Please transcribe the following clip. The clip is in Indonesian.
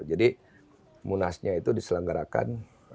jadi munasnya itu diselenggarakan